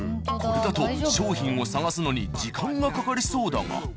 これだと商品を探すのに時間がかかりそうだが。